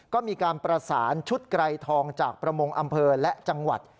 ก็มีการประสานชุดไกรทองจากประมงอำเภอและจังหวัด